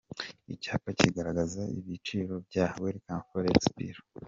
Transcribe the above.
Icyapa kigaragaza ibiciro bya Welcome Forex Bureau.